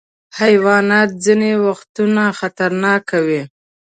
حیوانات ځینې وختونه خطرناک وي.